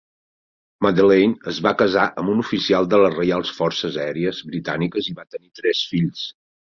Madeleine es va casar amb un oficial de les Reials Forces Aèries Britàniques i va tenir tres fills.